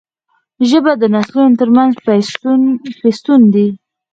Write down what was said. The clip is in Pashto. ژبه د نسلونو ترمنځ پیوستون دی